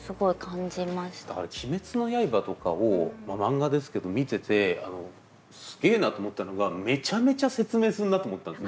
だから「鬼滅の刃」とかを漫画ですけど見ててすげえなと思ったのがめちゃめちゃ説明すんなと思ったんです。